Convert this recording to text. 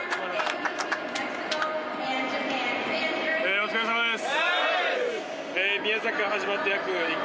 お疲れさまです。